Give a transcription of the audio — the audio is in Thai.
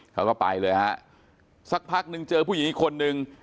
เขาก็ไปเลยฮะสักพักนึงเจอผู้หญิงอีกคนนึง